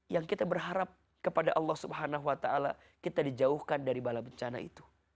yang kita berharap kepada allah swt kita dijauhkan dari bala bencana itu